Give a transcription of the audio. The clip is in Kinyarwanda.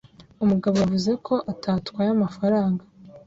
Umugabo yavuze ko atatwaye amafaranga.